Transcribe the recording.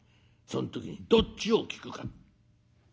その時にどっちを聞くか。